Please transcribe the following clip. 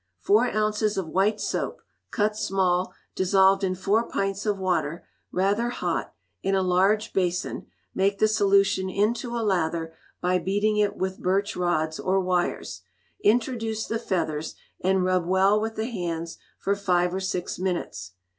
Four ounces of white soap, cut small, dissolved in four pints of water, rather hot, in a large basin; make the solution into a lather, by beating it with birch rods, or wires. Introduce the feathers, and rub well with the hands for five or six minutes.